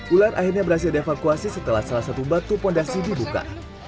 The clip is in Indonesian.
ular akhirnya berhasil dievakuasi setelah salah satu batu fondasi dibuka